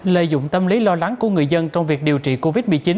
lợi dụng tâm lý lo lắng của người dân trong việc điều trị covid một mươi chín